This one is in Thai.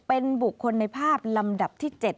เป็นบุคคลในภาพลำดับที่๗